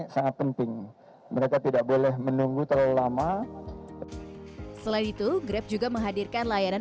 sangat penting mereka tidak boleh menunggu terlalu lama selain itu grab juga menghadirkan layanan